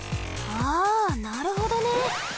あなるほどね。